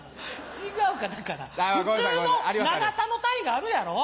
違うからだから普通の長さの単位があるやろう。